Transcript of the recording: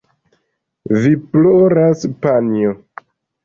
Vi ploras, panjo!